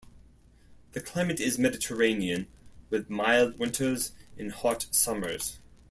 The climate is Mediterranean, with mild winters and hot summers.